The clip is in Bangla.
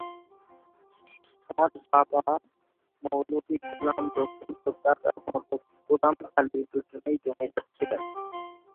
তার বাবা মৌলভী গোলাম রসুল ও দাদা মৌলভী গোলাম আলী দুজনেই জমিদার ছিলেন।